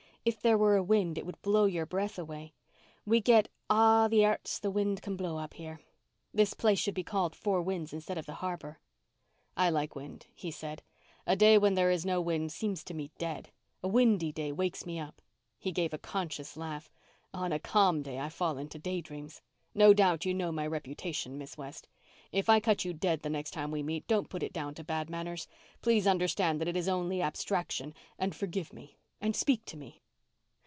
"If there were a wind it would blow your breath away. We get 'a' the airts the wind can blow' up here. This place should be called Four Winds instead of the Harbour." "I like wind," he said. "A day when there is no wind seems to me dead. A windy day wakes me up." He gave a conscious laugh. "On a calm day I fall into day dreams. No doubt you know my reputation, Miss West. If I cut you dead the next time we meet don't put it down to bad manners. Please understand that it is only abstraction and forgive me—and speak to me."